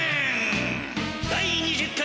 第２０回